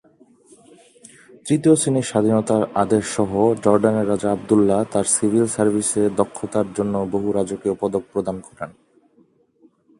তৃতীয় শ্রেণির স্বাধীনতার আদেশ সহ, জর্ডানের রাজা আবদুল্লাহ তার সিভিল সার্ভিসে দক্ষতার জন্য বহু রাজকীয় পদক প্রদান করেন।